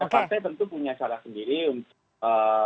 partai pan itu punya acara sendiri untuk